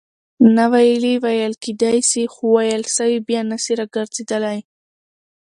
ناویلي ویل کېدای سي؛ خو ویل سوي بیا نه سي راګرځېدلای.